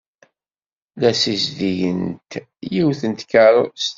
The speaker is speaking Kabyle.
La ssizdigent yiwet n tkeṛṛust.